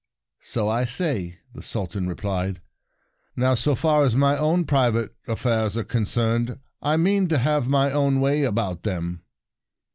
"So I say," the Sultan re plied. " Now, so far as my own private affairs are con cerned, I mean to have my own way about them."